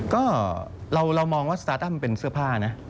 ก็เรามองว่าสตาร์ตั้มเป็นเสื้อผ้านะ